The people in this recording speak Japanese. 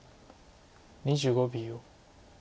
２５秒。